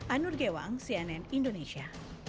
anur gewang cnn indonesia